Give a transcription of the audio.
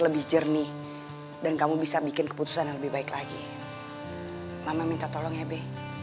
lebih jernih dan kamu bisa bikin keputusan yang lebih baik lagi mama minta tolong hebe